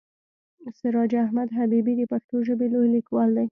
سراج احمد حبیبي د پښتو ژبې لوی لیکوال دی.